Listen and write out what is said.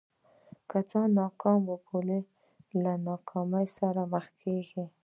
که ځان ناکام بولې له ناکامۍ سره مخ کېږې.